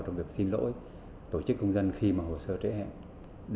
trong việc xin lỗi tổ chức công dân khi mà hồ sơ trễ hẹn để nâng cao trách nhiệm của người đứng đầu